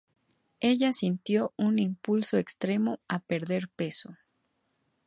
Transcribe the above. Ella sintió un impulso extremo a perder peso.